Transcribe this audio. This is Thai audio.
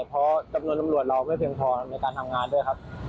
เพราะจำนวนตำรวจเราไม่เพียงพอในการทำงานด้วยครับ